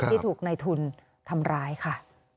ที่ถูกในทุนทำร้ายค่ะ